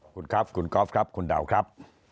คุณครับคุณกอล์ฟครับคุณดาวครับ